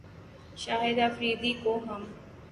شاہد فریدی کو ہم